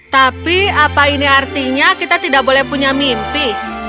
tapi apa ini artinya kita tidak boleh punya mimpi